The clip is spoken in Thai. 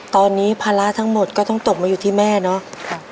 ตอนนี้ภาระทั้งหมดก็ต้องตกมาอยู่ที่แม่เนาะ